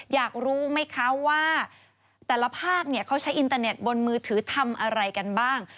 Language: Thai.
อยากรู้ไหมคะว่าแต่ละภาคเขาใช้อินเตอร์เน็ตบนมือถือทำอะไรกันบ้าง